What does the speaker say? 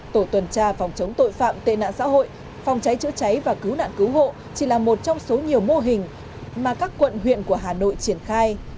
tổ tuần tra phòng chống tội phạm tệ nạn xã hội phòng cháy chữa cháy và cứu nạn cứu hộ chỉ là một trong số nhiều mô hình mà các quận huyện của hà nội triển khai